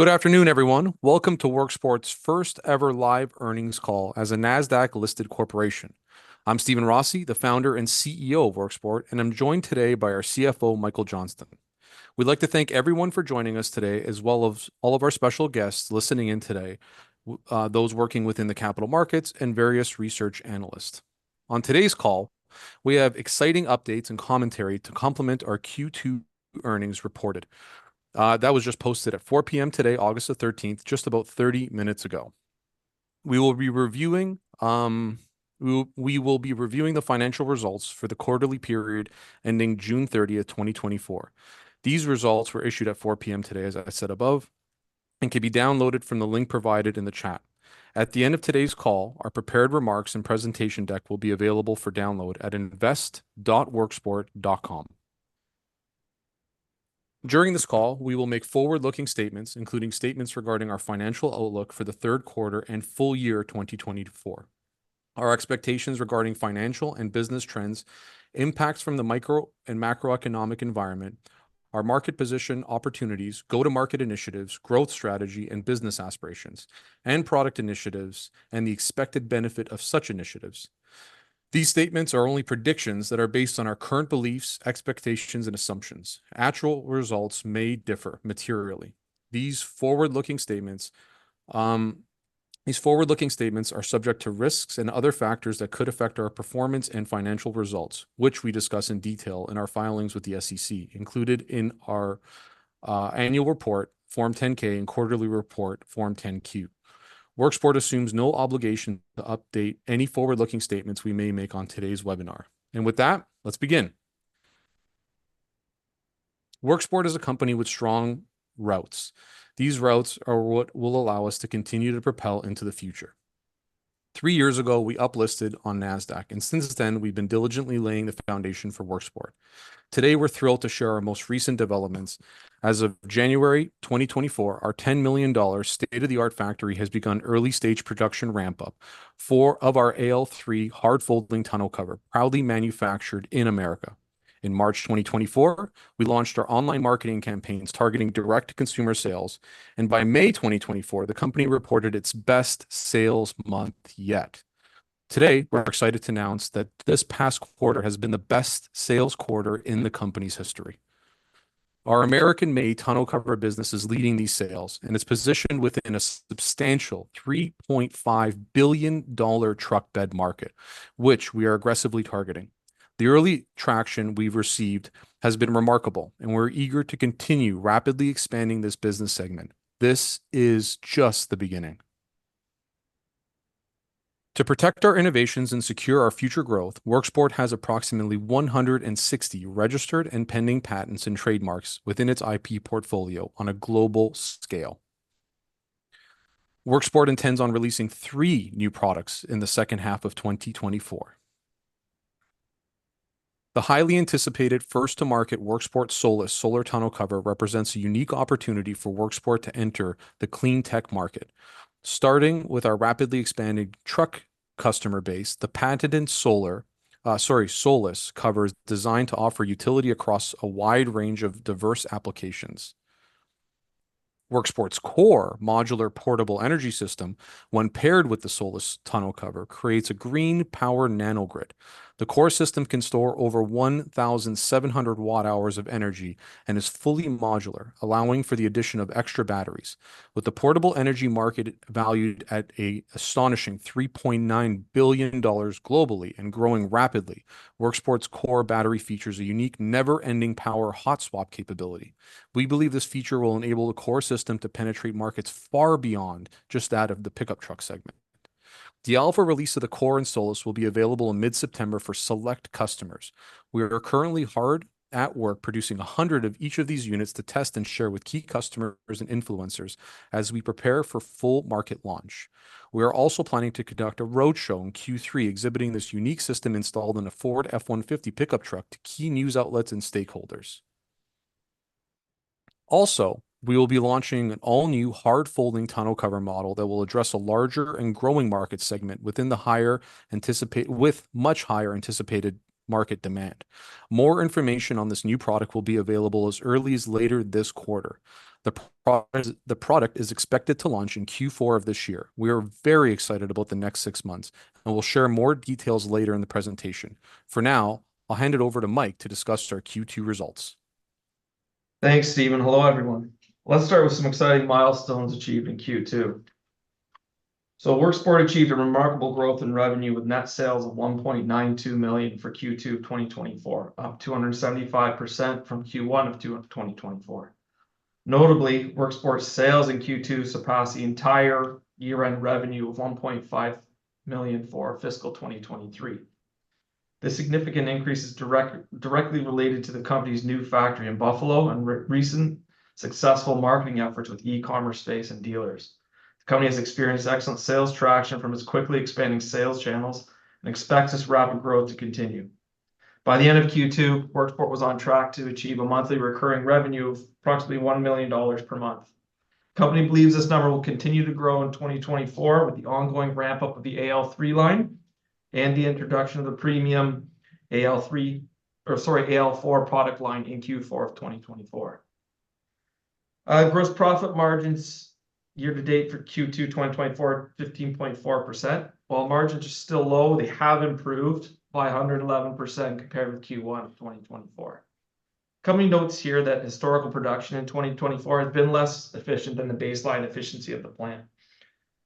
Good afternoon, everyone. Welcome to Worksport's first-ever live earnings call as a Nasdaq-listed corporation. I'm Steven Rossi, the founder and CEO of Worksport, and I'm joined today by our CFO, Michael Johnston. We'd like to thank everyone for joining us today, as well as all of our special guests listening in today, those working within the capital markets and various research analysts. On today's call, we have exciting updates and commentary to complement our Q2 earnings reported. That was just posted at 4:00 P.M. today, August 13th, just about 30 minutes ago. We will be reviewing the financial results for the quarterly period ending June 30, 2024. These results were issued at 4:00 P.M. today, as I said above, and can be downloaded from the link provided in the chat. At the end of today's call, our prepared remarks and presentation deck will be available for download at invest.worksport.com. During this call, we will make forward-looking statements, including statements regarding our financial outlook for the third quarter and full year 2024, our expectations regarding financial and business trends, impacts from the micro and macroeconomic environment, our market position opportunities, go-to-market initiatives, growth strategy, and business aspirations, and product initiatives, and the expected benefit of such initiatives. These statements are only predictions that are based on our current beliefs, expectations, and assumptions. Actual results may differ materially. These forward-looking statements are subject to risks and other factors that could affect our performance and financial results, which we discuss in detail in our filings with the SEC, included in our annual report, Form 10-K, and quarterly report, Form 10-Q. Worksport assumes no obligation to update any forward-looking statements we may make on today's webinar. And with that, let's begin. Worksport is a company with strong roots. These roots are what will allow us to continue to propel into the future. Three years ago, we uplisted on Nasdaq, and since then, we've been diligently laying the foundation for Worksport. Today, we're thrilled to share our most recent developments. As of January 2024, our $10 million state-of-the-art factory has begun early-stage production ramp-up. Four of our AL3 Hard Folding Tonneau Cover, proudly manufactured in America. In March 2024, we launched our online marketing campaigns targeting direct-to-consumer sales, and by May 2024, the company reported its best sales month yet. Today, we're excited to announce that this past quarter has been the best sales quarter in the company's history. Our American-made tonneau cover business is leading these sales, and it's positioned within a substantial $3.5 billion truck bed market, which we are aggressively targeting. The early traction we've received has been remarkable, and we're eager to continue rapidly expanding this business segment. This is just the beginning. To protect our innovations and secure our future growth, Worksport has approximately 160 registered and pending patents and trademarks within its IP portfolio on a global scale. Worksport intends on releasing three new products in the second half of 2024. The highly anticipated first-to-market Worksport SOLIS solar tonneau cover represents a unique opportunity for Worksport to enter the CleanTech market. Starting with our rapidly expanding truck customer base, the patented solar SOLIS cover is designed to offer utility across a wide range of diverse applications. Worksport's COR modular portable energy system, when paired with the SOLIS tonneau cover, creates a green power Nanogrid. The COR system can store over 1,700 Wh of energy and is fully modular, allowing for the addition of extra batteries. With the portable energy market valued at an astonishing $3.9 billion globally and growing rapidly, Worksport's COR battery features a unique never-ending power hot swap capability. We believe this feature will enable the COR system to penetrate markets far beyond just that of the pickup truck segment. The alpha release of the COR and SOLIS will be available in mid-September for select customers. We are currently hard at work producing 100 of each of these units to test and share with key customers and influencers as we prepare for full market launch. We are also planning to conduct a roadshow in Q3, exhibiting this unique system installed in a Ford F-150 pickup truck to key news outlets and stakeholders. Also, we will be launching an all-new hard folding tonneau cover model that will address a larger and growing market segment within the higher—with much higher anticipated market demand. More information on this new product will be available as early as later this quarter. The product is expected to launch in Q4 of this year. We are very excited about the next six months, and we'll share more details later in the presentation. For now, I'll hand it over to Mike to discuss our Q2 results. Thanks, Steven. Hello, everyone. Let's start with some exciting milestones achieved in Q2. Worksport achieved a remarkable growth in revenue, with net sales of $1.92 million for Q2 2024, up 275% from Q1 of 2024. Notably, Worksport's sales in Q2 surpassed the entire year-end revenue of $1.5 million for fiscal 2023. The significant increase is directly related to the company's new factory in Buffalo and recent successful marketing efforts with e-commerce space and dealers. The company has experienced excellent sales traction from its quickly expanding sales channels and expects this rapid growth to continue. By the end of Q2, Worksport was on track to achieve a monthly recurring revenue of approximately $1 million per month. The company believes this number will continue to grow in 2024 with the ongoing ramp-up of the AL3 line and the introduction of the premium AL3, or sorry, AL4 product line in Q4 of 2024. Gross profit margins year to date for Q2 2024, 15.4%. While margins are still low, they have improved by 111% compared with Q1 2024. The company notes here that historical production in 2024 has been less efficient than the baseline efficiency of the plant.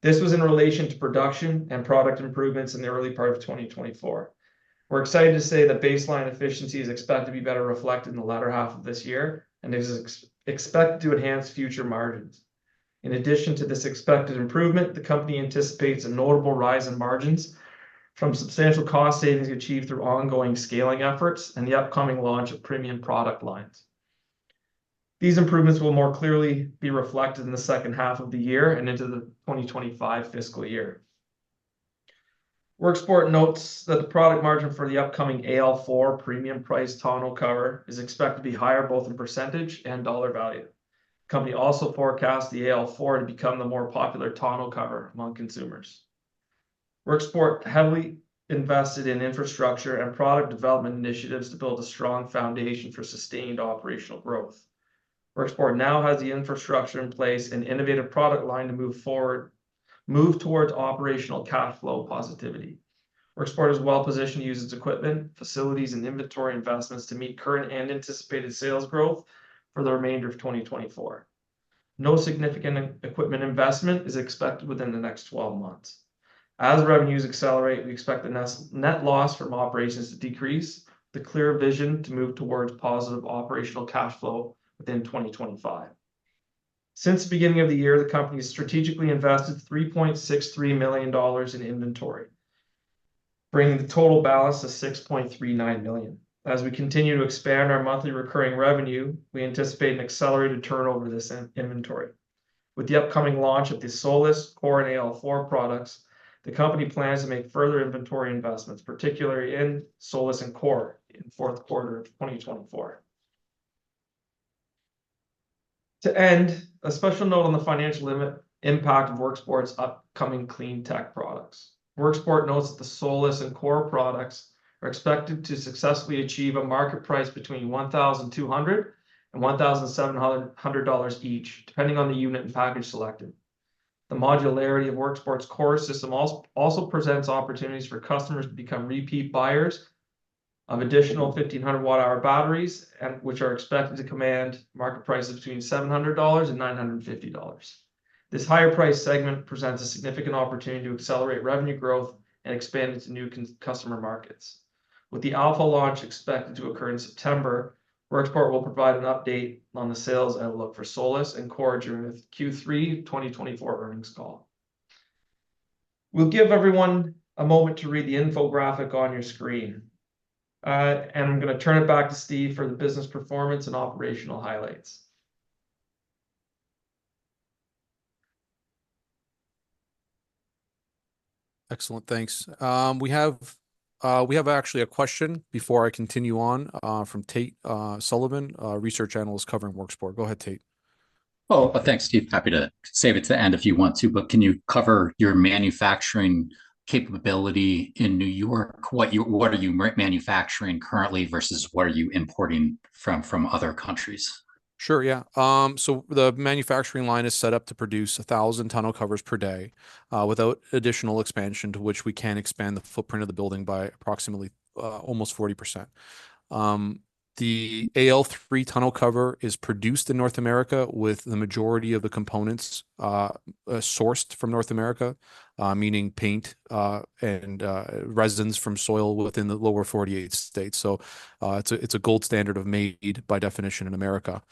This was in relation to production and product improvements in the early part of 2024. We're excited to say that baseline efficiency is expected to be better reflected in the latter half of this year, and is expected to enhance future margins. In addition to this expected improvement, the company anticipates a notable rise in margins from substantial cost savings achieved through ongoing scaling efforts and the upcoming launch of premium product lines. These improvements will more clearly be reflected in the second half of the year and into the 2025 fiscal year. Worksport notes that the product margin for the upcoming AL4 premium price tonneau cover is expected to be higher, both in percentage and dollar value. The company also forecasts the AL4 to become the more popular tonneau cover among consumers. Worksport heavily invested in infrastructure and product development initiatives to build a strong foundation for sustained operational growth. Worksport now has the infrastructure in place and innovative product line to move forward, move towards operational cash flow positivity. Worksport is well-positioned to use its equipment, facilities, and inventory investments to meet current and anticipated sales growth for the remainder of 2024. No significant equipment investment is expected within the next 12 months. As revenues accelerate, we expect the net loss from operations to decrease, the clear vision to move towards positive operational cash flow within 2025. Since the beginning of the year, the company has strategically invested $3.63 million in inventory, bringing the total balance to $6.39 million. As we continue to expand our monthly recurring revenue, we anticipate an accelerated turnover of this inventory. With the upcoming launch of the SOLIS, COR, and AL4 products, the company plans to make further inventory investments, particularly in SOLIS and COR, in fourth quarter of 2024. To end, a special note on the financial limit impact of Worksport's upcoming CleanTech products. Worksport notes that the SOLIS and COR products are expected to successfully achieve a market price between $1,200 and $1,700 each, depending on the unit and package selected. The modularity of Worksport's COR system also presents opportunities for customers to become repeat buyers of additional 1,500 Wh batteries, which are expected to command market prices between $700 and $950. This higher price segment presents a significant opportunity to accelerate revenue growth and expand into new customer markets. With the Alpha launch expected to occur in September, Worksport will provide an update on the sales outlook for SOLIS and COR during Q3 2024 earnings call. We'll give everyone a moment to read the infographic on your screen. And I'm gonna turn it back to Steve for the business performance and operational highlights. Excellent, thanks. We have actually a question before I continue on, from Tate Sullivan, a research analyst covering Worksport. Go ahead, Tate. Oh, thanks, Steve. Happy to save it to the end if you want to, but can you cover your manufacturing capability in New York? What are you manufacturing currently, versus what are you importing from other countries? Sure, yeah. So the manufacturing line is set up to produce 1,000 tonneau covers per day, without additional expansion, to which we can expand the footprint of the building by approximately almost 40%. The AL3 tonneau cover is produced in North America, with the majority of the components sourced from North America, meaning paint and resins from suppliers within the lower 48 states. So it's a gold standard of made, by definition, in America.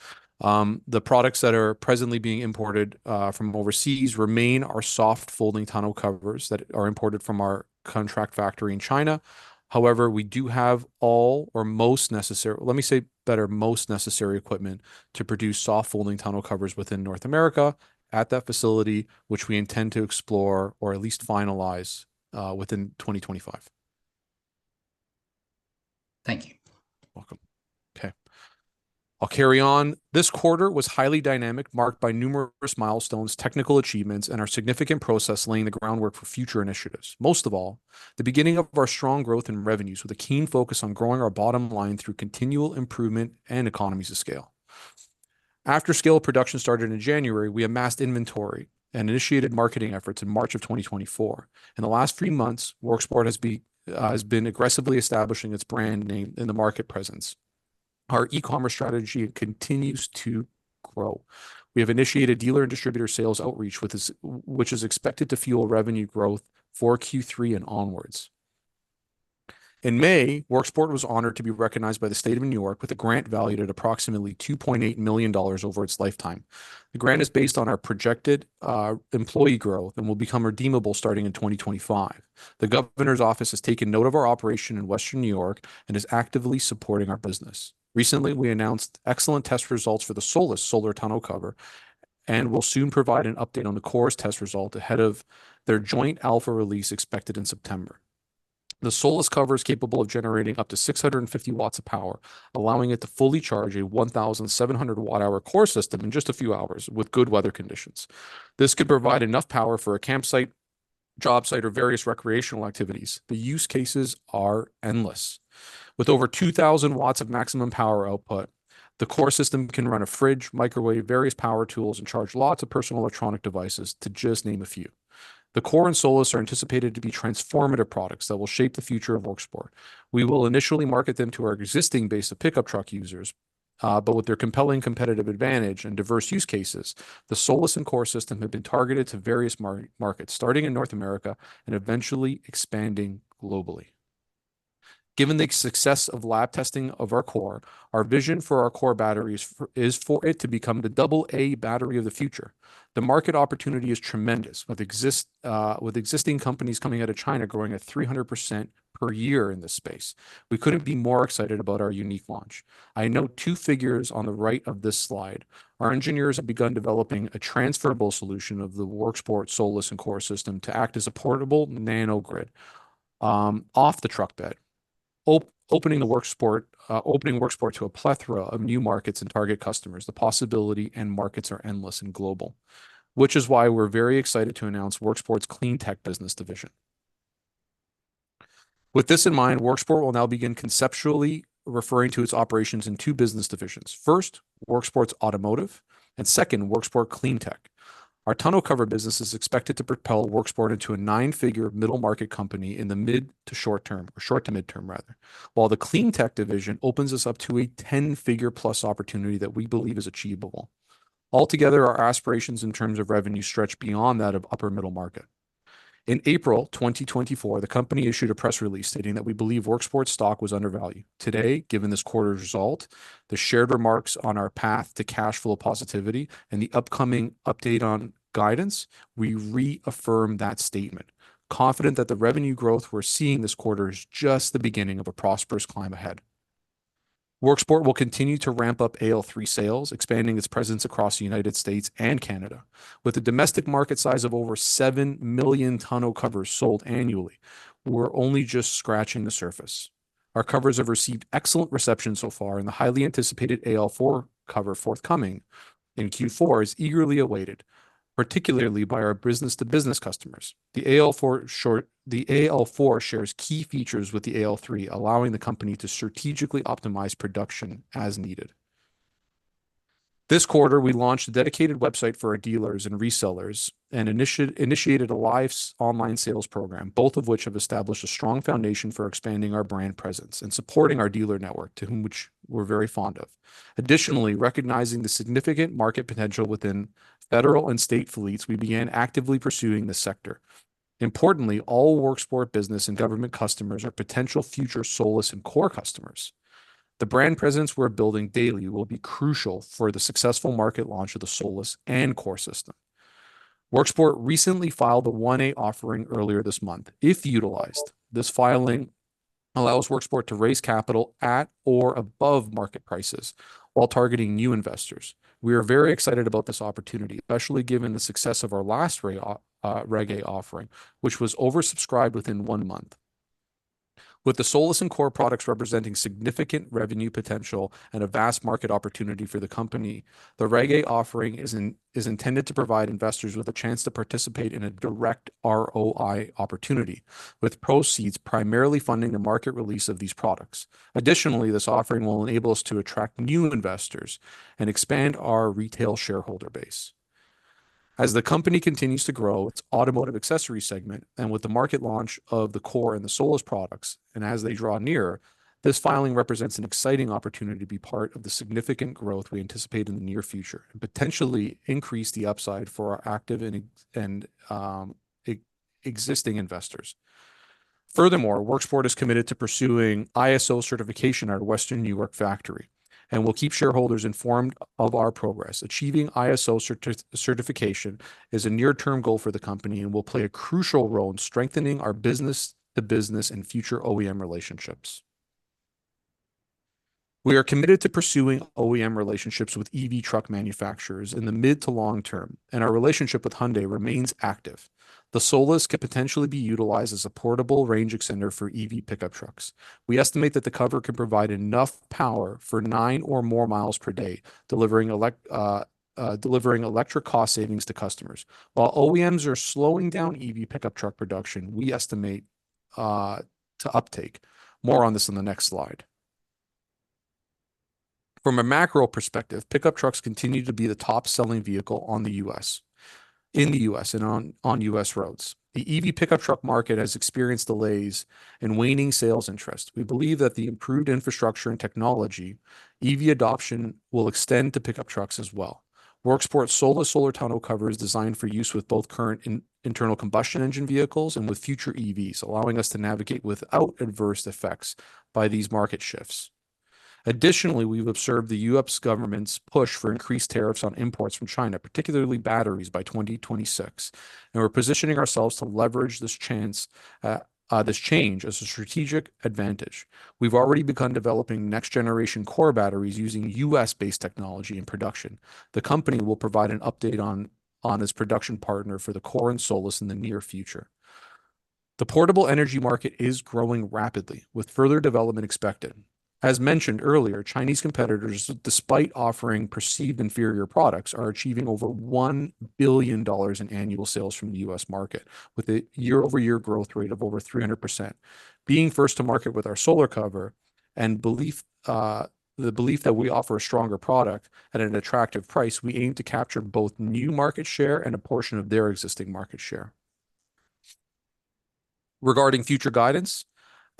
The products that are presently being imported from overseas remain our soft-folding tonneau covers that are imported from our contract factory in China. However, we do have all or most necessary. Let me say better, most necessary equipment to produce soft-folding tonneau covers within North America at that facility, which we intend to explore, or at least finalize, within 2025. Thank you. Welcome. Okay, I'll carry on. This quarter was highly dynamic, marked by numerous milestones, technical achievements, and our significant process, laying the groundwork for future initiatives. Most of all, the beginning of our strong growth in revenues, with a keen focus on growing our bottom line through continual improvement and economies of scale. After scale production started in January, we amassed inventory and initiated marketing efforts in March of 2024. In the last three months, Worksport has been aggressively establishing its brand name and the market presence. Our e-commerce strategy continues to grow. We have initiated dealer and distributor sales outreach, with this, which is expected to fuel revenue growth for Q3 and onwards. In May, Worksport was honored to be recognized by the State of New York, with a grant valued at approximately $2.8 million over its lifetime. The grant is based on our projected employee growth and will become redeemable starting in 2025. The governor's office has taken note of our operation in Western New York and is actively supporting our business. Recently, we announced excellent test results for the SOLIS solar tonneau cover, and will soon provide an update on the COR's test result ahead of their joint alpha release, expected in September. The SOLIS cover is capable of generating up to 650 W of power, allowing it to fully charge a 1,700 Wh COR system in just a few hours with good weather conditions. This could provide enough power for a campsite, job site, or various recreational activities. The use cases are endless. With over 2,000 W of maximum power output, the COR system can run a fridge, microwave, various power tools, and charge lots of personal electronic devices, to just name a few. The COR and SOLIS are anticipated to be transformative products that will shape the future of Worksport. We will initially market them to our existing base of pickup truck users, but with their compelling competitive advantage and diverse use cases, the SOLIS and COR system have been targeted to various markets, starting in North America and eventually expanding globally. Given the success of lab testing of our COR, our vision for our COR batteries is for it to become the double A battery of the future. The market opportunity is tremendous, with existing companies coming out of China growing at 300% per year in this space. We couldn't be more excited about our unique launch. I note two figures on the right of this slide. Our engineers have begun developing a transferable solution of the Worksport SOLIS and COR system to act as a portable NanoGrid off the truck bed. Opening Worksport to a plethora of new markets and target customers. The possibility and markets are endless and global, which is why we're very excited to announce Worksport's CleanTech business division. With this in mind, Worksport will now begin conceptually referring to its operations in two business divisions: first, Worksport Automotive and second, Worksport CleanTech. Our tonneau cover business is expected to propel Worksport into a nine-figure middle-market company in the mid to short term, or short to mid-term, rather, while the CleanTech division opens us up to a ten-figure plus opportunity that we believe is achievable. Altogether, our aspirations in terms of revenue stretch beyond that of upper middle market. In April 2024, the company issued a press release stating that we believe Worksport's stock was undervalued. Today, given this quarter's result, the shared remarks on our path to cash flow positivity, and the upcoming update on guidance, we reaffirm that statement, confident that the revenue growth we're seeing this quarter is just the beginning of a prosperous climb ahead. Worksport will continue to ramp up AL3 sales, expanding its presence across the United States and Canada. With a domestic market size of over 7 million tonneau covers sold annually, we're only just scratching the surface. Our covers have received excellent reception so far, and the highly anticipated AL4 cover forthcoming in Q4 is eagerly awaited, particularly by our business-to-business customers. The AL4 shares key features with the AL3, allowing the company to strategically optimize production as needed. This quarter, we launched a dedicated website for our dealers and resellers and initiated a live online sales program, both of which have established a strong foundation for expanding our brand presence and supporting our dealer network, to whom we're very fond of. Additionally, recognizing the significant market potential within federal and state fleets, we began actively pursuing this sector. Importantly, all Worksport business and government customers are potential future SOLIS and COR customers. The brand presence we're building daily will be crucial for the successful market launch of the SOLIS and COR system. Worksport recently filed a 1-A offering earlier this month. If utilized, this filing allows Worksport to raise capital at or above market prices while targeting new investors. We are very excited about this opportunity, especially given the success of our last Reg A offering, which was oversubscribed within one month. With the SOLIS and COR products representing significant revenue potential and a vast market opportunity for the company, the Reg A offering is intended to provide investors with a chance to participate in a direct ROI opportunity, with proceeds primarily funding the market release of these products. Additionally, this offering will enable us to attract new investors and expand our retail shareholder base. As the company continues to grow its automotive accessory segment, and with the market launch of the COR and the SOLIS products, and as they draw nearer, this filing represents an exciting opportunity to be part of the significant growth we anticipate in the near future and potentially increase the upside for our active and existing investors. Furthermore, Worksport is committed to pursuing ISO certification at our Western New York factory, and we'll keep shareholders informed of our progress. Achieving ISO certification is a near-term goal for the company and will play a crucial role in strengthening our business-to-business and future OEM relationships. We are committed to pursuing OEM relationships with EV truck manufacturers in the mid to long term, and our relationship with Hyundai remains active. The SOLIS could potentially be utilized as a portable range extender for EV pickup trucks. We estimate that the cover can provide enough power for 9 or more miles per day, delivering electric cost savings to customers. While OEMs are slowing down EV pickup truck production, we estimate to uptake. More on this in the next slide. From a macro perspective, pickup trucks continue to be the top-selling vehicle in the U.S. and on U.S. roads. The EV pickup truck market has experienced delays and waning sales interest. We believe that the improved infrastructure and technology, EV adoption will extend to pickup trucks as well. Worksport's SOLIS solar tonneau cover is designed for use with both current internal combustion engine vehicles and with future EVs, allowing us to navigate without adverse effects by these market shifts. Additionally, we've observed the U.S. government's push for increased tariffs on imports from China, particularly batteries, by 2026, and we're positioning ourselves to leverage this chance, this change as a strategic advantage. We've already begun developing next-generation COR batteries using U.S.-based technology and production. The company will provide an update on its production partner for the COR and SOLIS in the near future. The portable energy market is growing rapidly, with further development expected. As mentioned earlier, Chinese competitors, despite offering perceived inferior products, are achieving over $1 billion in annual sales from the U.S. market, with a year-over-year growth rate of over 300%. Being first to market with our solar cover and belief, the belief that we offer a stronger product at an attractive price, we aim to capture both new market share and a portion of their existing market share. Regarding future guidance,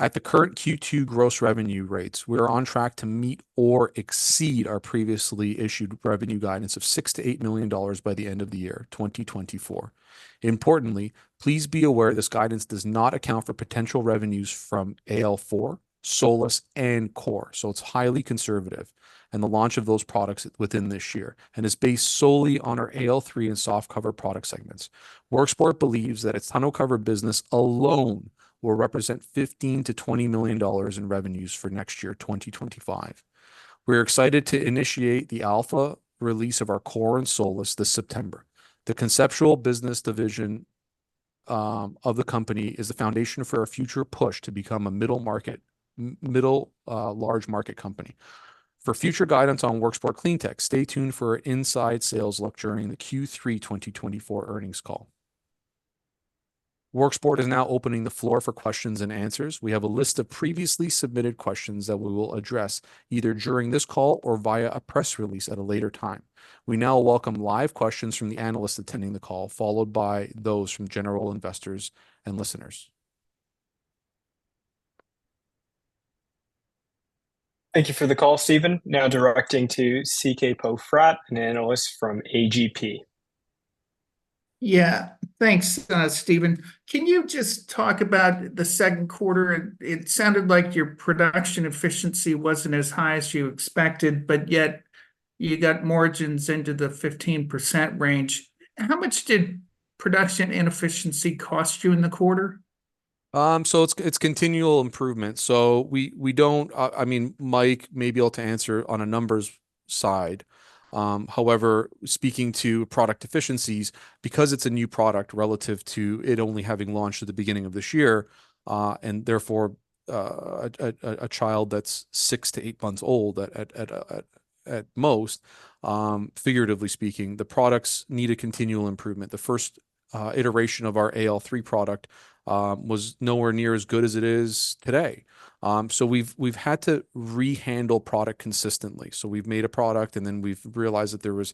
at the current Q2 gross revenue rates, we're on track to meet or exceed our previously issued revenue guidance of $6 mi-$8 million by the end of the year 2024. Importantly, please be aware this guidance does not account for potential revenues from AL4, SOLIS, and COR, so it's highly conservative, and the launch of those products within this year, and is based solely on our AL3 and soft cover product segments. Worksport believes that its tonneau cover business alone will represent $15 million-$20 million in revenues for next year, 2025. We're excited to initiate the alpha release of our COR and SOLIS this September. The conceptual business division of the company is the foundation for our future push to become a middle market, large market company. For future guidance on Worksport CleanTech, stay tuned for our inside sales look during the Q3 2024 earnings call. Worksport is now opening the floor for questions and answers. We have a list of previously submitted questions that we will address, either during this call or via a press release at a later time. We now welcome live questions from the analysts attending the call, followed by those from general investors and listeners. Thank you for the call, Steven. Now directing to C.K. Poe Fratt, an analyst from AGP. Yeah. Thanks, Steven. Can you just talk about the second quarter? It sounded like your production efficiency wasn't as high as you expected, but yet you got margins into the 15% range. How much did production inefficiency cost you in the quarter? So it's continual improvement, so we don't... I mean, Mike may be able to answer on a numbers side. However, speaking to product efficiencies, because it's a new product relative to it only having launched at the beginning of this year, and therefore, a child that's six to eight months old at most, figuratively speaking, the products need continual improvement. The first iteration of our AL3 product was nowhere near as good as it is today. So we've had to rehandle product consistently. So we've made a product, and then we've realized that there was,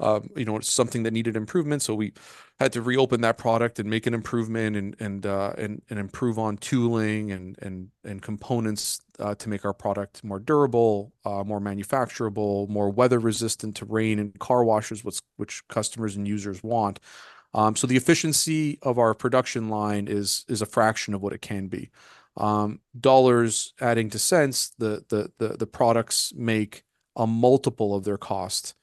you know, something that needed improvement, so we had to reopen that product and make an improvement and improve on tooling and components to make our product more durable, more manufacturable, more weather-resistant to rain and car washes, which customers and users want. So the efficiency of our production line is a fraction of what it can be. Dollars adding to cents, the products make a multiple of their cost.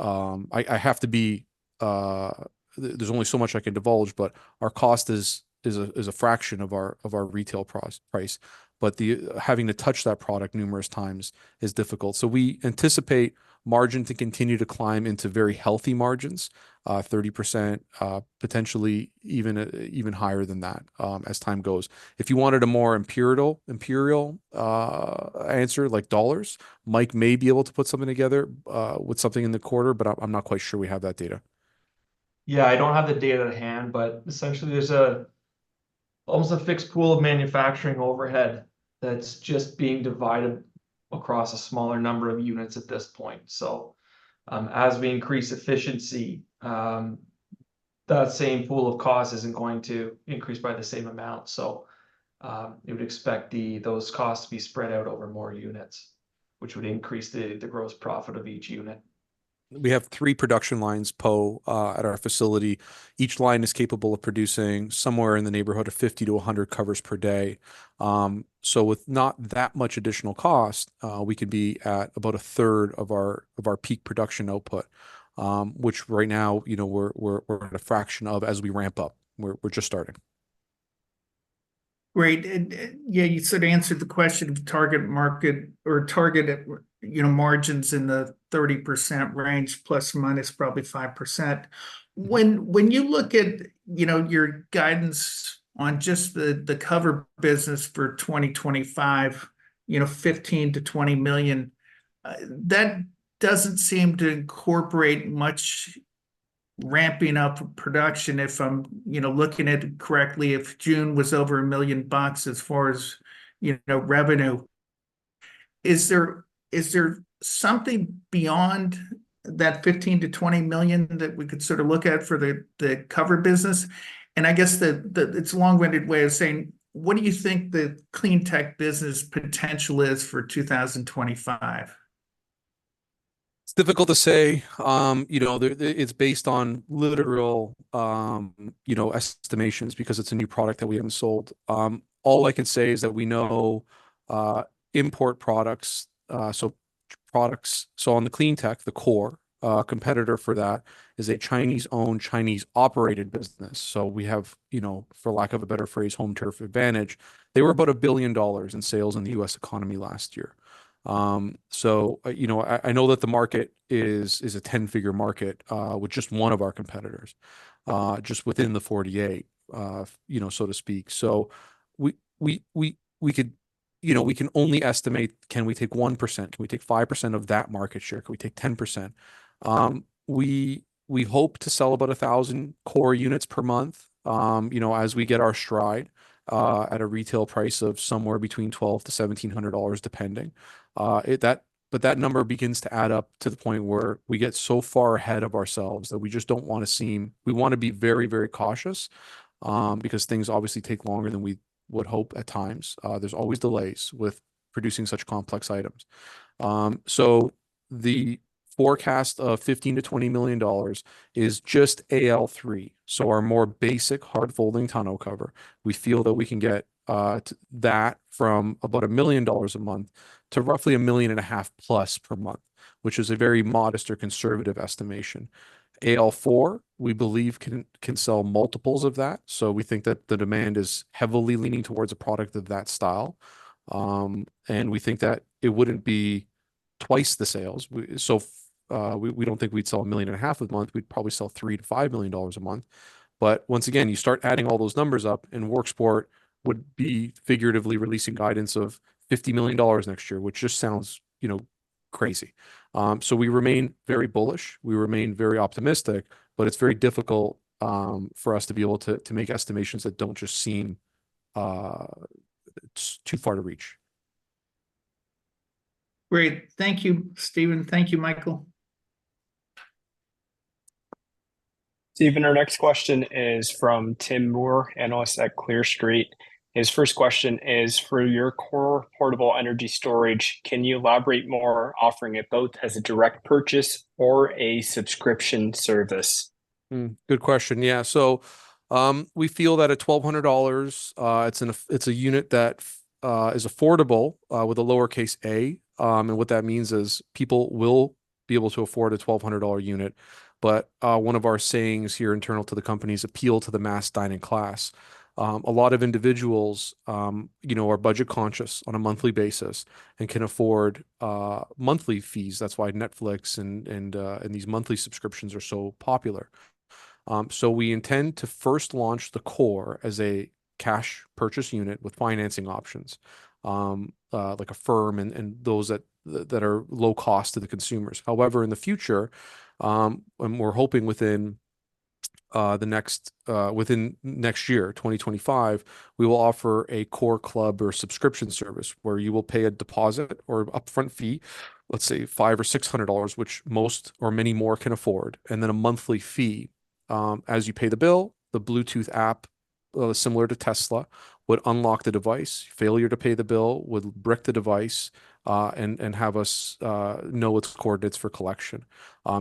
I have to be... There's only so much I can divulge, but our cost is a fraction of our retail price. But having to touch that product numerous times is difficult. So we anticipate margin to continue to climb into very healthy margins, 30%, potentially even higher than that, as time goes. If you wanted a more imperial answer, like dollars, Mike may be able to put something together with something in the quarter, but I'm not quite sure we have that data. Yeah, I don't have the data at hand, but essentially there's almost a fixed pool of manufacturing overhead that's just being divided across a smaller number of units at this point. So, as we increase efficiency, that same pool of costs isn't going to increase by the same amount. So, you would expect those costs to be spread out over more units, which would increase the gross profit of each unit. We have three production lines at our facility. Each line is capable of producing somewhere in the neighborhood of 50-100 covers per day. So with not that much additional cost, we could be at about a third of our peak production output, which right now, you know, we're at a fraction of as we ramp up. We're just starting. Great. Yeah, you sort of answered the question of target market or target, you know, margins in the 30% range, ±5%. When you look at, you know, your guidance on just the cover business for 2025, you know, $15 million-$20 million, that doesn't seem to incorporate much ramping up of production, if I'm, you know, looking at it correctly, if June was over $1 million as far as, you know, revenue. Is there something beyond that $15 million-$20 million that we could sort of look at for the cover business? And I guess the... It's a long-winded way of saying, what do you think the CleanTech business potential is for 2025? It's difficult to say. You know, the it's based on literal you know estimations because it's a new product that we haven't sold. All I can say is that we know import products so products. So on the CleanTech, the COR competitor for that is a Chinese-owned, Chinese-operated business. So we have, you know, for lack of a better phrase, home turf advantage. They were about $1 billion in sales in the U.S. economy last year. So you know I know that the market is a 10-figure market with just one of our competitors just within the 48 you know so to speak. So we could you know we can only estimate, can we take 1%? Can we take 5% of that market share? Can we take 10%? We hope to sell about 1,000 CORunits per month, you know, as we get our stride, at a retail price of somewhere between $1,200-$1,700, depending. But that number begins to add up to the point where we get so far ahead of ourselves that we just don't wanna seem... We wanna be very, very cautious, because things obviously take longer than we would hope at times. There's always delays with producing such complex items. So the forecast of $15-$20 million is just AL3, so our more basic hard-folding tonneau cover. We feel that we can get that from about $1 million a month to roughly $1.5 million+ per month, which is a very modest or conservative estimation. AL4, we believe can sell multiples of that, so we think that the demand is heavily leaning towards a product of that style. And we think that it wouldn't be twice the sales. So, we don't think we'd sell 1.5 million a month. We'd probably sell $3 million-$5 million a month. But once again, you start adding all those numbers up, and Worksport would be figuratively releasing guidance of $50 million next year, which just sounds, you know, crazy. So we remain very bullish, we remain very optimistic, but it's very difficult for us to be able to make estimations that don't just seem too far to reach. Great. Thank you, Steven. Thank you, Michael. Steven, our next question is from Tim Moore, analyst at Clear Street. His first question is: for your COR portable energy storage, can you elaborate more, offering it both as a direct purchase or a subscription service? Good question. Yeah. So, we feel that at $1,200, it's a unit that is affordable, with a lowercase a. And what that means is people will be able to afford a $1,200 unit. But, one of our sayings here, internal to the company, is "Appeal to the mass dining class." A lot of individuals, you know, are budget conscious on a monthly basis and can afford monthly fees. That's why Netflix and these monthly subscriptions are so popular. So we intend to first launch the COR as a cash purchase unit with financing options, like Affirm and those that are low cost to the consumers. However, in the future, and we're hoping within the next year, 2025, we will offer a COR club or subscription service, where you will pay a deposit or upfront fee, let's say $500 or $600, which most or many more can afford, and then a monthly fee. As you pay the bill, the Bluetooth app, similar to Tesla, would unlock the device. Failure to pay the bill would brick the device, and have us know its coordinates for collection.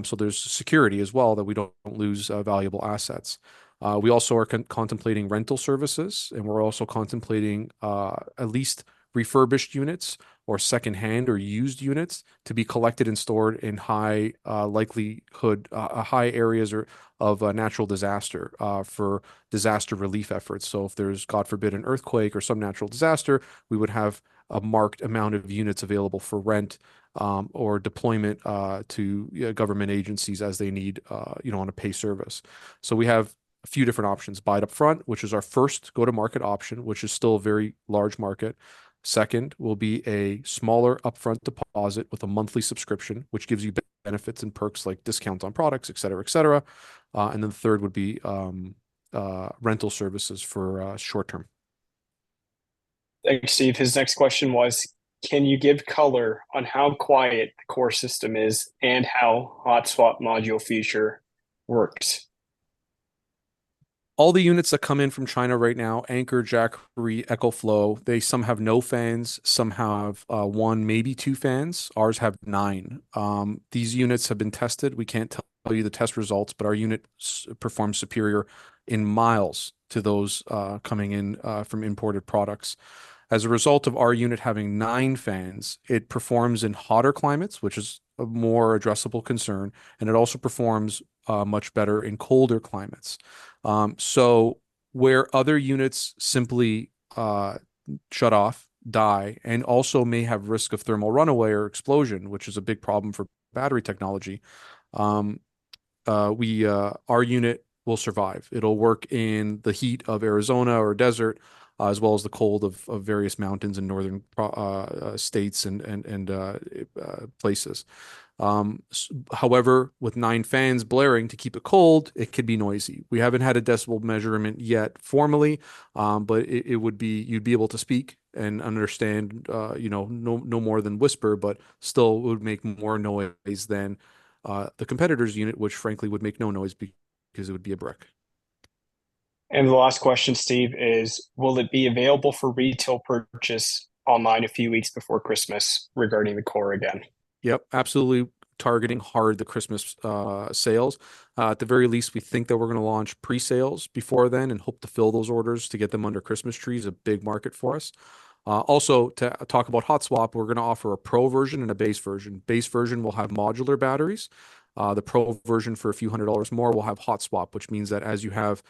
So there's security as well, that we don't lose valuable assets. We also are contemplating rental services, and we're also contemplating at least refurbished units or second-hand or used units to be collected and stored in high-likelihood areas of a natural disaster for disaster relief efforts. So if there's, God forbid, an earthquake or some natural disaster, we would have a marked amount of units available for rent, or deployment, to government agencies as they need, you know, on a pay service. So we have a few different options. Buy it upfront, which is our first go-to-market option, which is still a very large market. Second will be a smaller upfront deposit with a monthly subscription, which gives you benefits and perks like discounts on products, et cetera, et cetera. And then the third would be rental services for short term. Thank you, Steve. His next question was, "Can you give color on how quiet the COR system is and how hot swap module feature works? All the units that come in from China right now, Anker, Jackery, EcoFlow, they, some have no fans, some have 1, maybe 2 fans. Ours have 9. These units have been tested. We can't tell you the test results, but our unit performs superior in miles to those coming in from imported products. As a result of our unit having nine fans, it performs in hotter climates, which is a more addressable concern, and it also performs much better in colder climates. So where other units simply shut off, die, and also may have risk of thermal runaway or explosion, which is a big problem for battery technology, we, our unit will survive. It'll work in the heat of Arizona or desert, as well as the cold of various mountains in northern states and places. However, with nine fans blaring to keep it cold, it could be noisy. We haven't had a decibel measurement yet formally, but it would be, you'd be able to speak and understand, you know, no more than whisper, but still it would make more noise than the competitor's unit, which frankly would make no noise 'cause it would be a brick. The last question, Steve, is: will it be available for retail purchase online a few weeks before Christmas, regarding the COR again? Yep, absolutely targeting hard the Christmas sales. At the very least, we think that we're gonna launch pre-sales before then and hope to fill those orders to get them under Christmas trees, a big market for us. Also, to talk about hot swap, we're gonna offer a pro version and a base version. Base version will have modular batteries. The pro version, for a few hundred dollars more, will have hot swap, which means that as you have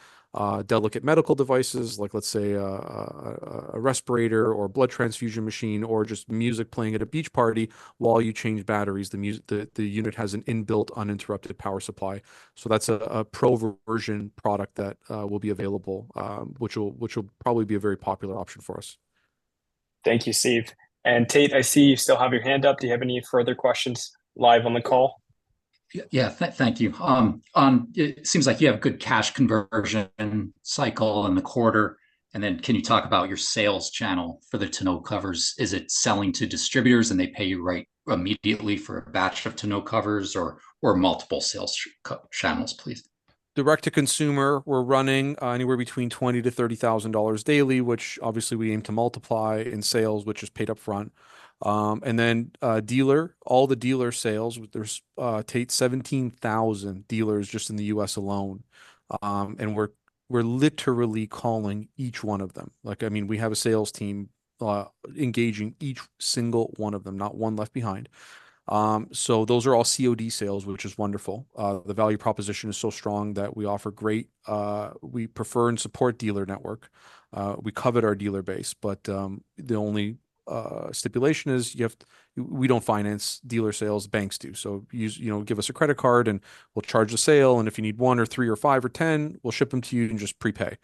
delicate medical devices like, let's say, a respirator or blood transfusion machine, or just music playing at a beach party, while you change batteries, the unit has an inbuilt uninterrupted power supply. So that's a pro version product that will be available, which will probably be a very popular option for us.... Thank you, Steve. Tate, I see you still have your hand up. Do you have any further questions live on the call? Yeah, thank you. It seems like you have good cash conversion cycle in the quarter, and then can you talk about your sales channel for the tonneau covers? Is it selling to distributors, and they pay you right immediately for a batch of tonneau covers or multiple sales channels, please? Direct to consumer, we're running anywhere between $20,000 and $30,000 daily, which obviously we aim to multiply in sales, which is paid upfront. And then, dealer, all the dealer sales, there's Tate, 17,000 dealers just in the U.S. alone. And we're, we're literally calling each one of them. Like, I mean, we have a sales team engaging each single one of them, not one left behind. So those are all COD sales, which is wonderful. The value proposition is so strong that we offer great... We prefer and support dealer network. We covet our dealer base, but, the only stipulation is you have to- we don't finance dealer sales, banks do. So use... You know, give us a credit card, and we'll charge the sale, and if you need 1 or 3 or 5 or 10, we'll ship them to you, and just pre-pay.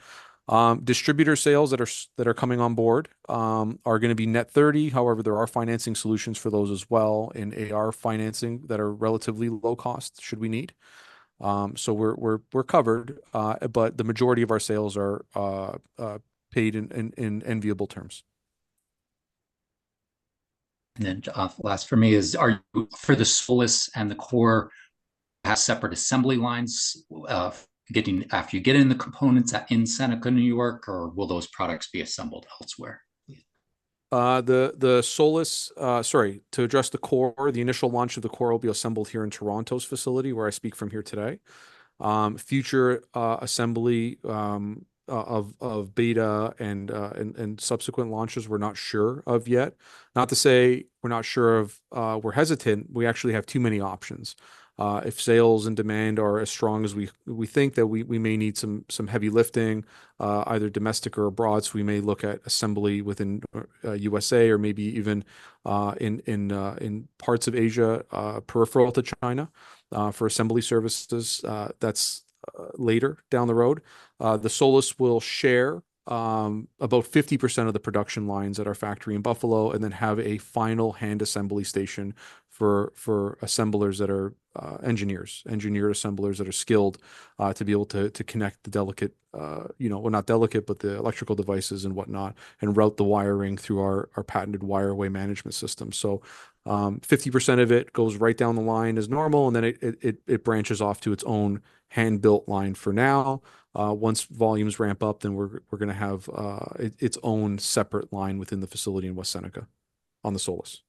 Distributor sales that are coming on board are gonna be net 30. However, there are financing solutions for those as well in AR financing that are relatively low cost, should we need. So we're covered. But the majority of our sales are paid in enviable terms. Last for me is, are for the SOLIS and COR have separate assembly lines? After you get in the components in West Seneca, New York, or will those products be assembled elsewhere? Sorry, to address the COR, the initial launch of the COR will be assembled here in Toronto's facility, where I speak from here today. Future assembly of beta and subsequent launches, we're not sure of yet. Not to say we're not sure of, we're hesitant, we actually have too many options. If sales and demand are as strong as we think, then we may need some heavy lifting, either domestic or abroad. So we may look at assembly within USA or maybe even in parts of Asia, peripheral to China, for assembly services. That's later down the road. The SOLIS will share about 50% of the production lines at our factory in Buffalo, and then have a final hand assembly station for assemblers that are engineers, engineer assemblers that are skilled to be able to to connect the delicate. You know, well, not delicate, but the electrical devices and whatnot, and route the wiring through our patented wire way management system. So, 50% of it goes right down the line as normal, and then it branches off to its own hand-built line for now. Once volumes ramp up, then we're gonna have its own separate line within the facility in West Seneca on the SOLIS.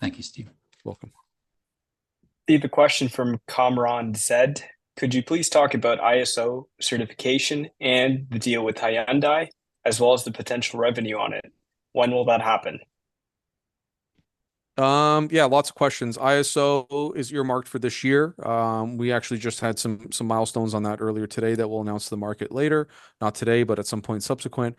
Thank you, Steve. Welcome. Steve, a question from Kamron Z: "Could you please talk about ISO certification and the deal with Hyundai, as well as the potential revenue on it? When will that happen? Yeah, lots of questions. ISO is earmarked for this year. We actually just had some milestones on that earlier today that we'll announce to the market later. Not today, but at some point subsequent.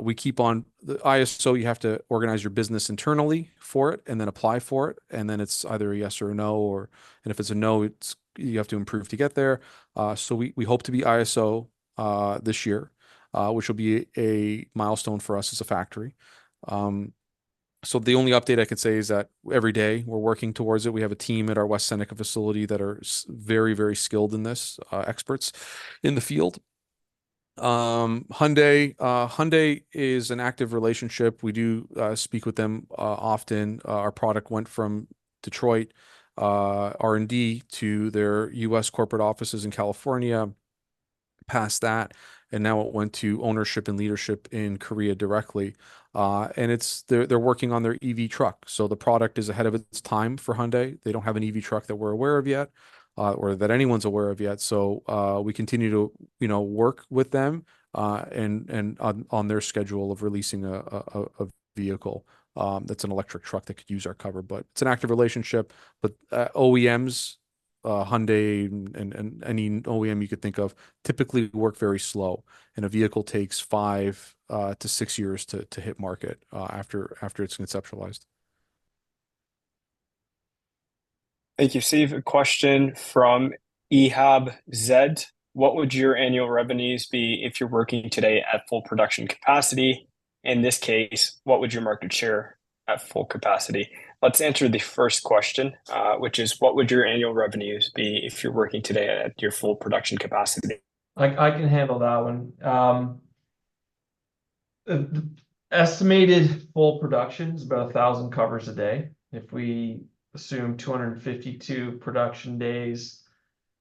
We keep on... The ISO, you have to organize your business internally for it, and then apply for it, and then it's either a yes or a no, or... And if it's a no, it's, you have to improve to get there. So we hope to be ISO this year, which will be a milestone for us as a factory. So the only update I can say is that every day we're working towards it. We have a team at our West Seneca facility that are very, very skilled in this, experts in the field. Hyundai. Hyundai is an active relationship. We do speak with them often. Our product went from Detroit R&D to their U.S. corporate offices in California, past that, and now it went to ownership and leadership in Korea directly. And it's... They're working on their EV truck, so the product is ahead of its time for Hyundai. They don't have an EV truck that we're aware of yet, or that anyone's aware of yet. So, we continue to, you know, work with them, and on their schedule of releasing a vehicle that's an electric truck that could use our cover. But it's an active relationship. But OEMs, Hyundai, and any OEM you could think of, typically work very slow, and a vehicle takes five to six years to hit market after it's conceptualized. Thank you, Steve. A question from Ihab Z: "What would your annual revenues be if you're working today at full production capacity? In this case, what would your market share at full capacity?" Let's answer the first question, which is: What would your annual revenues be if you're working today at your full production capacity? I can handle that one. The estimated full production is about 1,000 covers a day. If we assume 252 production days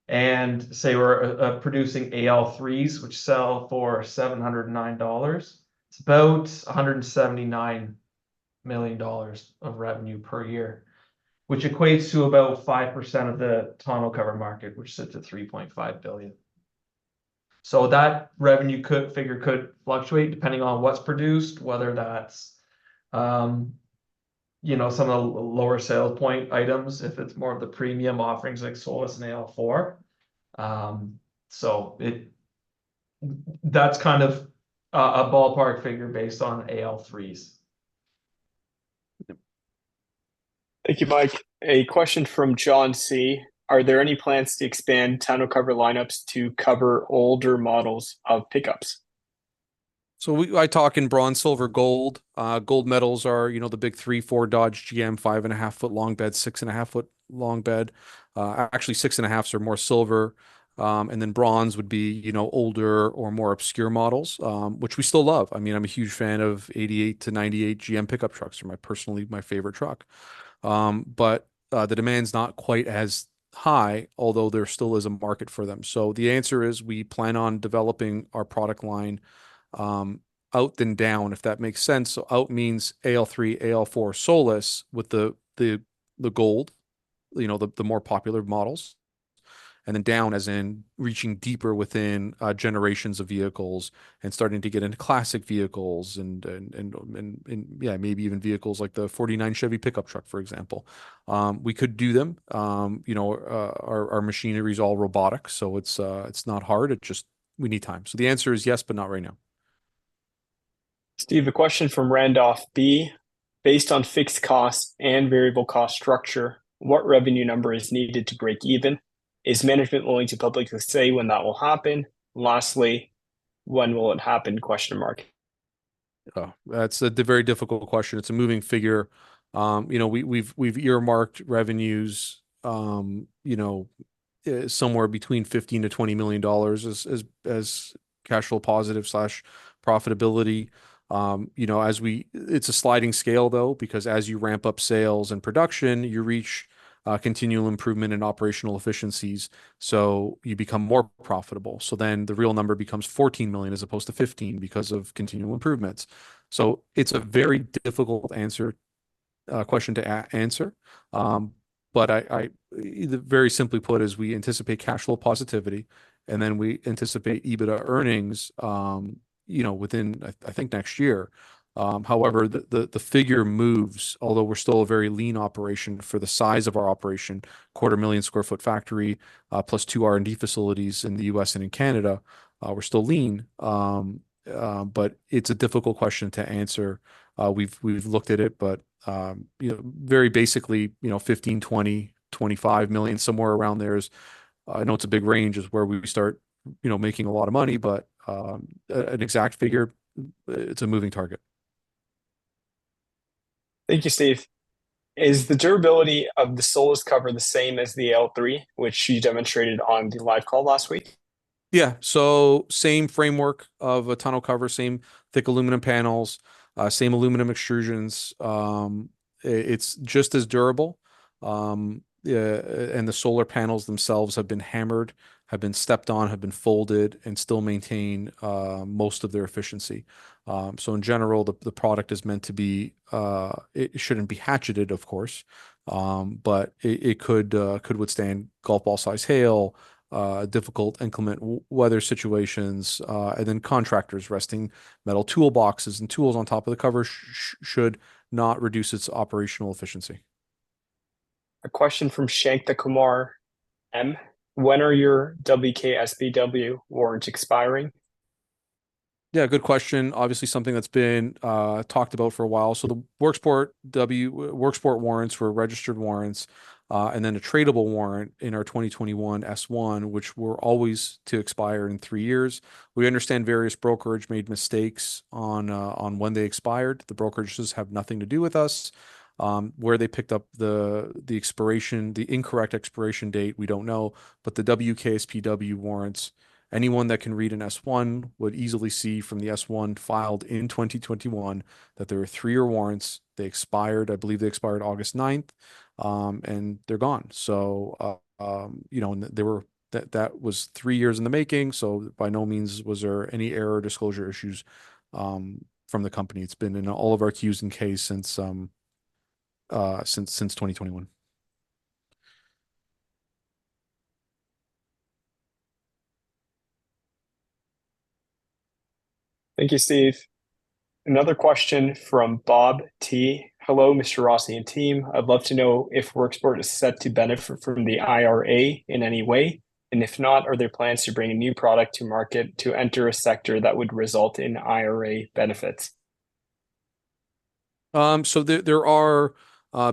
and say we're producing AL3s, which sell for $709, it's about $179 million of revenue per year, which equates to about 5% of the tonneau cover market, which sits at $3.5 billion. So that revenue figure could fluctuate depending on what's produced, whether that's you know, some of the lower sale point items, if it's more of the premium offerings like SOLIS and AL4. That's kind of a ballpark figure based on AL3s.... Thank you, Mike. A question from John C: "Are there any plans to expand tonneau cover lineups to cover older models of pickups? I talk in bronze, silver, gold. Gold medals are, you know, the big three, four Dodge GM, 5.5-foot long bed, 6.5-foot long bed. Actually, 6.5s are more silver, and then bronze would be, you know, older or more obscure models, which we still love. I mean, I'm a huge fan of 1988 to 1998 GM pickup trucks. They're my personal favorite truck. But the demand's not quite as high, although there still is a market for them. So the answer is, we plan on developing our product line, out then down, if that makes sense. So out means AL3, AL4 Solis with the goal, you know, the more popular models, and then down as in reaching deeper within generations of vehicles and starting to get into classic vehicles and, yeah, maybe even vehicles like the 1949 Chevy pickup truck, for example. We could do them. You know, our machinery is all robotic, so it's not hard, it just... We need time. So the answer is yes, but not right now. Steve, a question from Randolph B: "Based on fixed costs and variable cost structure, what revenue number is needed to break even? Is management willing to publicly say when that will happen? Lastly, when will it happen? Oh, that's a very difficult question. It's a moving figure. You know, we've earmarked revenues, you know, somewhere between $15 million and $20 million as cash flow positive/profitability. You know, it's a sliding scale, though, because as you ramp up sales and production, you reach continual improvement in operational efficiencies, so you become more profitable. So then the real number becomes $14 million as opposed to $15 million because of continual improvements. So it's a very difficult answer, question to answer. But very simply put, is we anticipate cash flow positivity, and then we anticipate EBITDA earnings, you know, within, I think, next year. However, the figure moves, although we're still a very lean operation for the size of our operation, 250,000 sq ft factory, +2 R&D facilities in the U.S. and in Canada, we're still lean. But it's a difficult question to answer. We've looked at it but, you know, very basically, you know, 15, 20, 25 million, somewhere around there is, I know it's a big range, is where we start, you know, making a lot of money, but an exact figure, it's a moving target. Thank you, Steve. "Is the durability of the SOLIS cover the same as the AL3, which you demonstrated on the live call last week? Yeah. So same framework of a tonneau cover, same thick aluminum panels, same aluminum extrusions. It's just as durable. And the solar panels themselves have been hammered, have been stepped on, have been folded, and still maintain most of their efficiency. So in general, the product is meant to be... It shouldn't be hatcheted, of course, but it could withstand golf ball-sized hail, difficult inclement weather situations, and then contractors resting metal toolboxes and tools on top of the cover should not reduce its operational efficiency. A question from Shankar Kumar M: "When are your WKSPW warrants expiring? Yeah, good question. Obviously, something that's been talked about for a while. So the Worksport warrants were registered warrants, and then a tradable warrant in our 2021 S-1, which were always to expire in three years. We understand various brokerage made mistakes on when they expired. The brokerages have nothing to do with us. Where they picked up the expiration, the incorrect expiration date, we don't know. But the WKSPW warrants, anyone that can read an S-1 would easily see from the S-1 filed in 2021, that they were three-year warrants. They expired, I believe they expired August 9th, and they're gone. So, you know, and they were... That was three years in the making, so by no means was there any error or disclosure issues from the company. It's been in all of our Qs and Ks since 2021. Thank you, Steve. Another question from Bob T: "Hello, Mr. Rossi and team. I'd love to know if Worksport is set to benefit from the IRA in any way? And if not, are there plans to bring a new product to market to enter a sector that would result in IRA benefits? So there are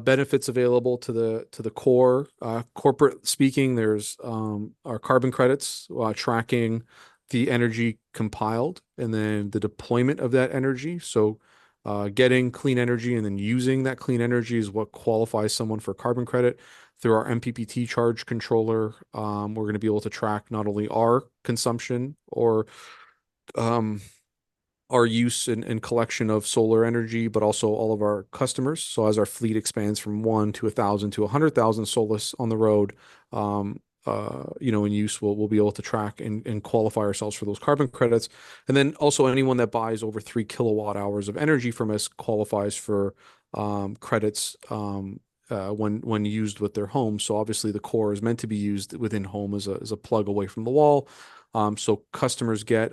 benefits available to the COR. Corporate speaking, there's our carbon credits, tracking the energy compiled and then the deployment of that energy. So getting clean energy and then using that clean energy is what qualifies someone for carbon credit. Through our MPPT charge controller, we're gonna be able to track not only our consumption or our use and collection of solar energy, but also all of our customers. So as our fleet expands from 1 to 1,000 to 100,000 SOLIS on the road, you know, in use, we'll be able to track and qualify ourselves for those carbon credits. And then also, anyone that buys over 3 kWh of energy from us qualifies for credits, when used with their home. So obviously, the COR is meant to be used within the home as a plug away from the wall. So customers get...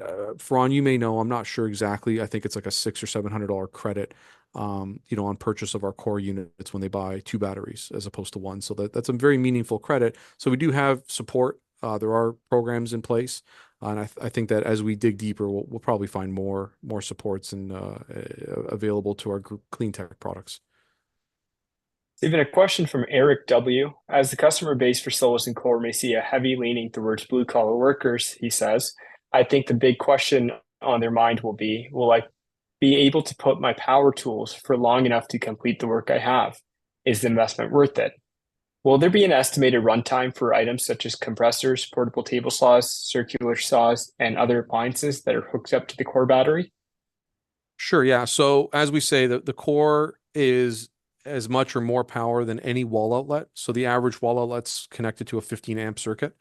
Ron, you may know, I'm not sure exactly. I think it's like a $600 or $700 credit, you know, on purchase of our COR units when they buy two batteries as opposed to one. So that's a very meaningful credit. So we do have support. There are programs in place, and I think that as we dig deeper, we'll probably find more support available to our CleanTech products.... Even a question from Eric W: "As the customer base for SOLIS and COR may see a heavy leaning towards blue-collar workers," he says, "I think the big question on their mind will be, will I be able to put my power tools for long enough to complete the work I have? Is the investment worth it? Will there be an estimated runtime for items such as compressors, portable table saws, circular saws, and other appliances that are hooked up to the COR battery? Sure, yeah. So as we say, the COR is as much or more power than any wall outlet. So the average wall outlet's connected to a 15-amp circuit,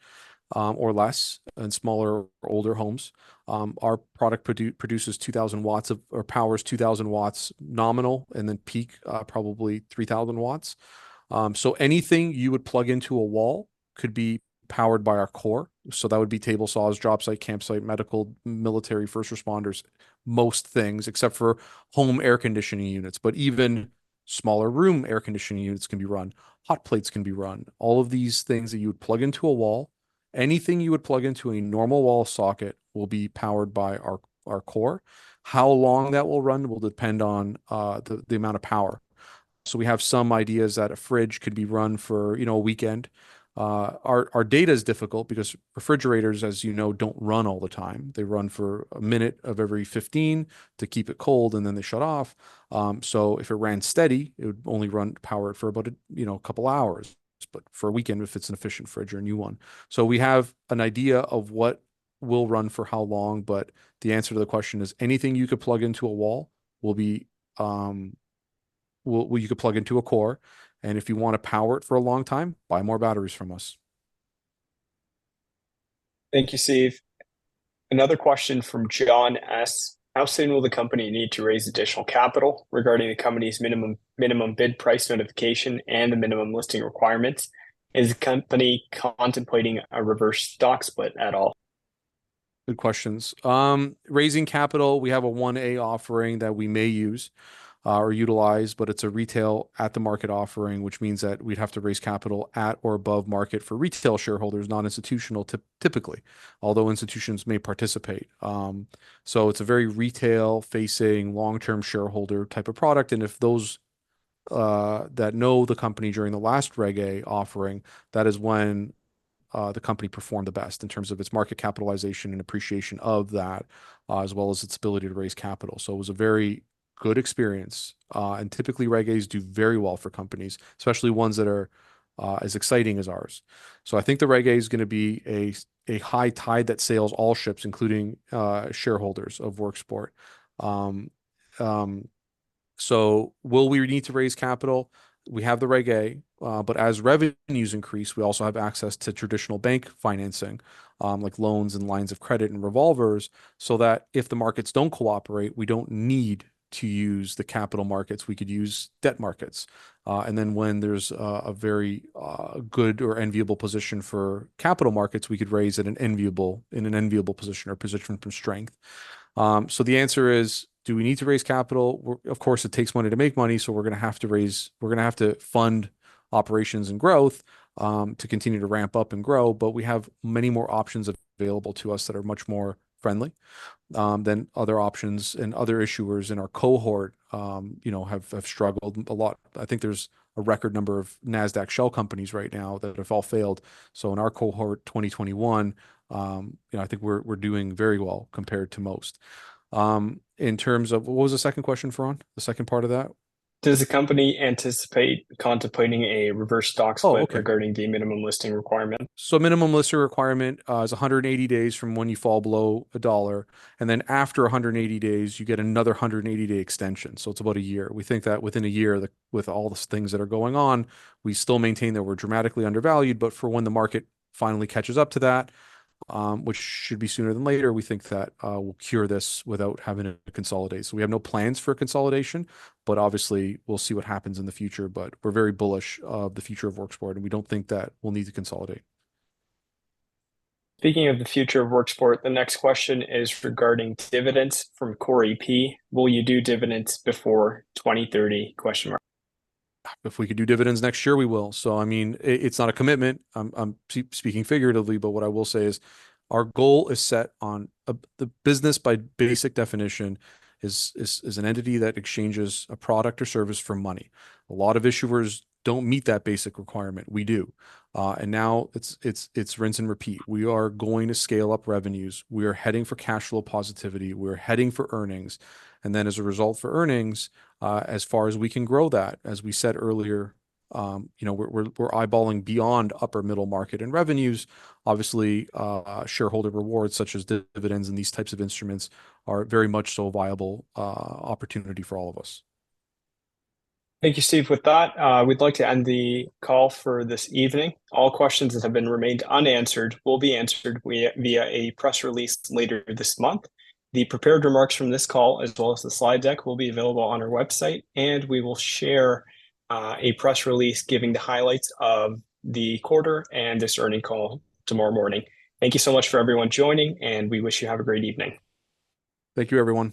or less in smaller, older homes. Our product produces 2,000 watts of, or powers 2,000 watts nominal, and then peak, probably 3,000 watts. So anything you would plug into a wall could be powered by our COR. So that would be table saws, jobsite, campsite, medical, military, first responders, most things, except for home air conditioning units. But even smaller room air conditioning units can be run, hot plates can be run, all of these things that you would plug into a wall. Anything you would plug into a normal wall socket will be powered by our COR. How long that will run will depend on the amount of power. So we have some ideas that a fridge could be run for, you know, a weekend. Our data is difficult because refrigerators, as you know, don't run all the time. They run for a minute of every 15 to keep it cold, and then they shut off. So if it ran steady, it would only run power for about, you know, a couple hours, but for a weekend, if it's an efficient fridge or a new one. So we have an idea of what will run for how long, but the answer to the question is, anything you could plug into a wall will be... will, you could plug into a COR, and if you want to power it for a long time, buy more batteries from us. Thank you, Steve. Another question from John S: "How soon will the company need to raise additional capital regarding the company's minimum bid price notification and the minimum listing requirements? Is the company contemplating a reverse stock split at all? Good questions. Raising capital, we have a 1-A offering that we may use or utilize, but it's a retail at the market offering, which means that we'd have to raise capital at or above market for retail shareholders, not institutional typically, although institutions may participate. So it's a very retail-facing, long-term shareholder type of product, and if those that know the company during the last Reg A offering, that is when the company performed the best in terms of its market capitalization and appreciation of that, as well as its ability to raise capital. So it was a very good experience, and typically, Reg As do very well for companies, especially ones that are as exciting as ours. So I think the Reg A is gonna be a high tide that sails all ships, including shareholders of Worksport. So will we need to raise capital? We have the Reg A, but as revenues increase, we also have access to traditional bank financing, like loans and lines of credit and revolvers, so that if the markets don't cooperate, we don't need to use the capital markets. We could use debt markets. And then when there's a very good or enviable position for capital markets, we could raise in an enviable position or position from strength. So the answer is, do we need to raise capital? Well, of course, it takes money to make money, so we're gonna have to raise—we're gonna have to fund operations and growth, to continue to ramp up and grow, but we have many more options available to us that are much more friendly, than other options, and other issuers in our cohort, you know, have struggled a lot. I think there's a record number of Nasdaq shell companies right now that have all failed. So in our cohort, 2021, you know, I think we're doing very well compared to most. In terms of... What was the second question, Faran, the second part of that? Does the company anticipate contemplating a reverse stock split? Oh, okay. - regarding the minimum listing requirement? So minimum listing requirement is 180 days from when you fall below $1, and then after 180 days, you get another 180-day extension, so it's about a year. We think that within a year, with all the things that are going on, we still maintain that we're dramatically undervalued, but for when the market finally catches up to that, which should be sooner than later, we think that we'll cure this without having to consolidate. So we have no plans for consolidation, but obviously, we'll see what happens in the future. But we're very bullish of the future of Worksport, and we don't think that we'll need to consolidate. Speaking of the future of Worksport, the next question is regarding dividends from Corey P: "Will you do dividends before 2030? If we could do dividends next year, we will. So, I mean, it's not a commitment. I'm speaking figuratively, but what I will say is, our goal is set on a. The business by basic definition is an entity that exchanges a product or service for money. A lot of issuers don't meet that basic requirement. We do. And now it's rinse and repeat. We are going to scale up revenues. We are heading for cash flow positivity. We're heading for earnings, and then as a result for earnings, as far as we can grow that, as we said earlier, you know, we're eyeballing beyond upper middle market and revenues. Obviously, shareholder rewards, such as dividends and these types of instruments, are very much so a viable opportunity for all of us. Thank you, Steve. With that, we'd like to end the call for this evening. All questions that have been remained unanswered will be answered via a press release later this month. The prepared remarks from this call, as well as the slide deck, will be available on our website, and we will share a press release giving the highlights of the quarter and this earning call tomorrow morning. Thank you so much for everyone joining, and we wish you have a great evening. Thank you, everyone.